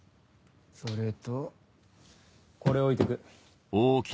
それとこれを置いてく。